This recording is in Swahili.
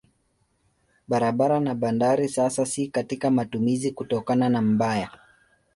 Barabara na bandari sasa si katika matumizi kutokana na mbaya.